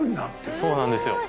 そうなんですよ。